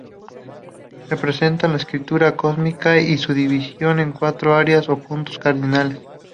Representa la estructura cósmica y su división en cuatro áreas o puntos cardinales.